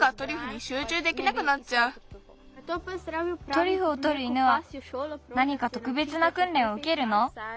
トリュフをとる犬はなにかとくべつなくんれんをうけるの？